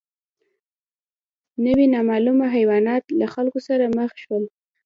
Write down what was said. نوي نامعلومه حیوانات له خلکو سره مخ شول.